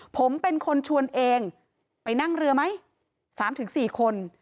ผมเป็นคนชวนเองไปนั่งเรือไหม๓๔คน